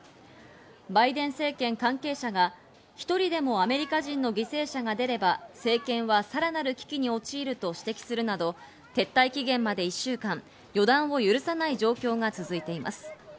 バイデン政権関係者が１人でもアメリカ人の犠牲者が出れば政権はさらなる危機に陥ると指摘するなど、撤退期限まで１週間、予断を許さない状況が続いています。